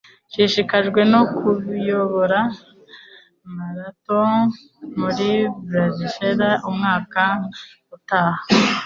Nshishikajwe no kuyobora marato muri Bildersee umwaka utaha.